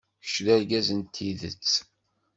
Kečč d argaz n tidet.